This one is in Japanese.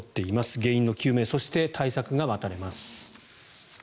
原因の究明そして対策が待たれます。